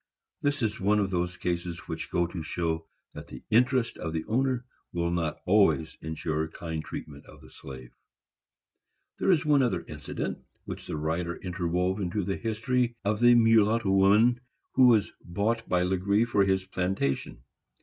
This is one of those cases which go to show that the interest of the owner will not always insure kind treatment of the slave. There is one other incident, which the writer interwove into the history of the mulatto woman who was bought by Legree for his plantation.